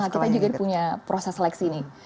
kita juga punya proses seleksi nih